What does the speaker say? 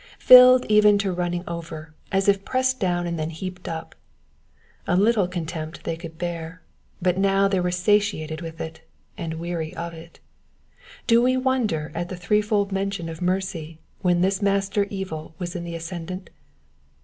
Pilled even to running over, as if pressed down and then heaped up. A little contempt they could bear, but now they were satiated with it, and weary of it. Do we wonder at the threefold mention of mercy when this master evil was in the ascendant?